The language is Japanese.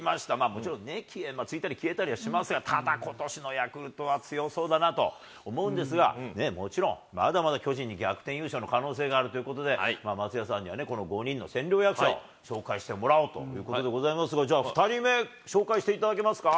もちろんついたり消えたりはしますが、ただことしのヤクルトは強そうだなと思うんですが、もちろん、まだまだ巨人に逆転優勝の可能性があるということで、松也さんにはこの５人の千両役者を紹介してもらおうということでございますが、じゃあ２人目、紹介していただけますか。